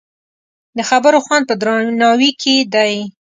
د خبرو خوند په درناوي کې دی